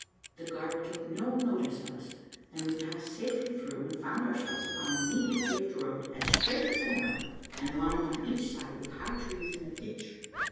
The guard took no notice of us, and we passed safely through, and found ourselves upon a neatly paved road, as straight as an arrow, and lined on each side with high trees and a ditch.